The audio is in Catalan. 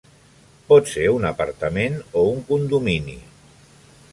Pot ser un apartament o un condomini.